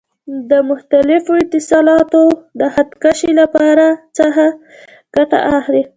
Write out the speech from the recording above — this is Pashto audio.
د مختلفو اتصالاتو د خط کشۍ لپاره ورڅخه ګټه اخلي.